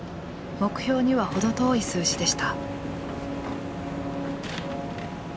目標には程遠い数字でした。